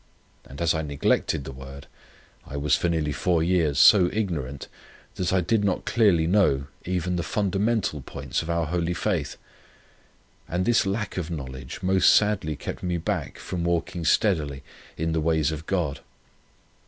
And as I neglected the Word, I was for nearly four years so ignorant, that I did not clearly know even the fundamental points of our holy faith. And this lack of knowledge most sadly kept me back from walking steadily in the ways of God.